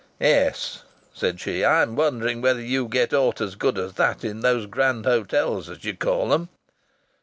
"Yes," said she. "I'm wondering whether you get aught as good as that in those grand hotels as you call 'em."